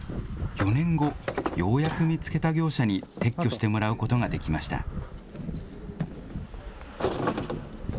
４年後、ようやく見つけた業者に撤去してもらうことができました。